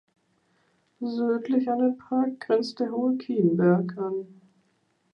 Südlich an den Park grenzt der hohe Kienberg an.